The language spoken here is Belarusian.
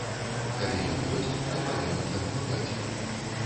Калі ён ёсць, то павінен дапамагаць.